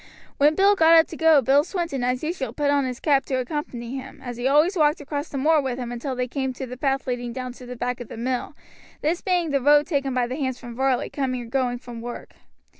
When Ned got up to go Bill Swinton as usual put on his cap to accompany him, as he always walked across the moor with him until they came to the path leading down to the back of the mill, this being the road taken by the hands from Varley coming and going from work.